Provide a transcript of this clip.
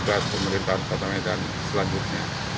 dan juga untuk pemerintahan kota medan selanjutnya